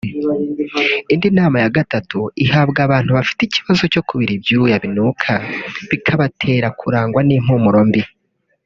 Indi nama ya gatatu ihabwa abantu bafite ikibazo cyo kubira ibyuya binuka bikabatera kurangwa n’impumuro mbi